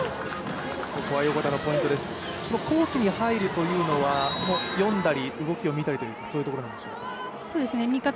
そのコースに入るというのは読んだり動きを見たりというところなんでしょうか。